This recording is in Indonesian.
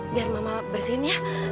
biar mama bersihin ya